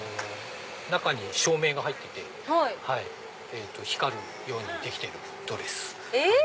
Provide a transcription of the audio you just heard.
中に照明が入ってて光るようにできてるドレス。